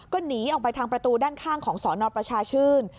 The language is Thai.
ก็หนีออกไปทางประตูด้านข้างของสนประชาชื่น